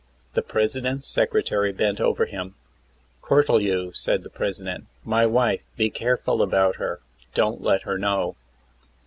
The President's secretary bent over him. "Cortelyou," said the President, "my wife, be careful about her; don't let her know."